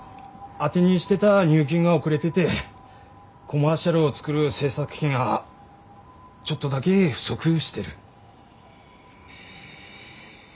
当てにしてた入金が遅れててコマーシャルを作る制作費がちょっとだけ不足してる。